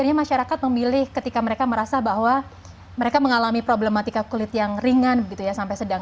akhirnya masyarakat memilih ketika mereka merasa bahwa mereka mengalami problematika kulit yang ringan sampai sedang